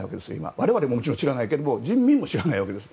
我々も知らないけど人民も知らないわけです。